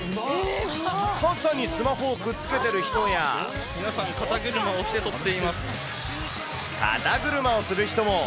傘にスマホをくっつけてる人皆さん、肩車をして撮ってい肩車をする人も。